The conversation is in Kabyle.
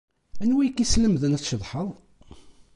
Anwa ay ak-yeslemden ad tceḍḥeḍ?